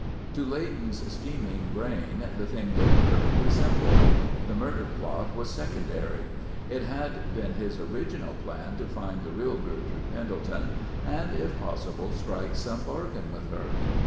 To Leighton's scheming brain, the thing looked perfectly simple. The murder plot was secondary. It had been his original plan to find the real Gertrude Pendelton and if possible strike some bargain with her.